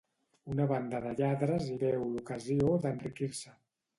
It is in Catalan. Una banda de lladres hi veu l'ocasió d'enriquir-se.